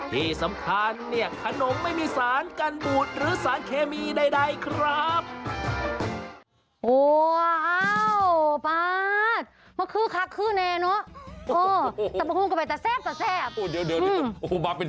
ที่สำคัญเนี่ยขนมไม่มีสารกันบูดหรือสารเคมีใดครับ